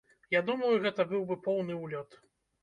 Я думаю, гэта быў бы поўны ўлёт!